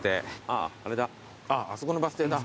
あぁあそこのバス停だ。